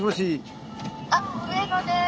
あっ上野です。